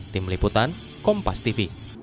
tim liputan kompas tv